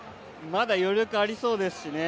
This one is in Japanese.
まだ余力ありそうですしね。